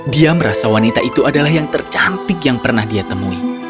dia merasa wanita itu adalah yang tercantik yang pernah dia temui